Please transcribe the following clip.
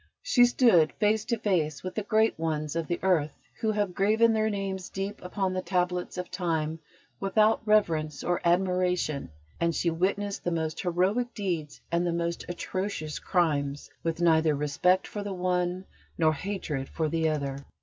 She stood face to face with the great ones of the earth who have graven their names deep upon the tablets of Time without reverence or admiration; and she witnessed the most heroic deeds and the most atrocious crimes with neither respect for the one nor hatred for the other.